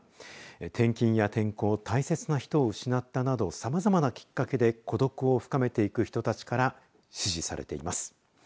転勤や転校大切な人を失ったなどさまざまなきっかけで孤独を深めていく人たちから支持されています。